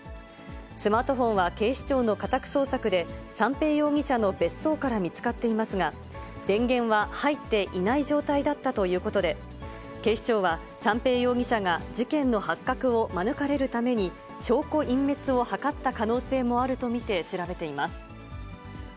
スマートフォンは警視庁の家宅捜索で、三瓶容疑者の別荘から見つかっていますが、電源は入っていない状態だったということで、警視庁は、三瓶容疑者が事件の発覚を免れるために証拠隠滅を図った可能性もあると見て調べています。